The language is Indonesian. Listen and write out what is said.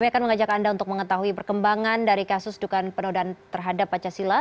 kami akan mengajak anda untuk mengetahui perkembangan dari kasus dukaan penodaan terhadap pancasila